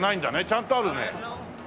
ちゃんとあるね。